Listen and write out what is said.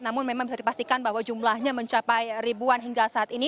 namun memang bisa dipastikan bahwa jumlahnya mencapai ribuan hingga saat ini